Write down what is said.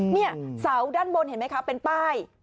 เนี่ยเสาด้านบนเห็นไหมคะเป็นป้าย